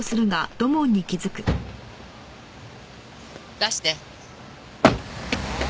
出して。